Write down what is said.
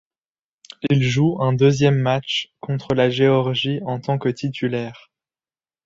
Il joue un deuxième match contre la Géorgie en tant que titulaire.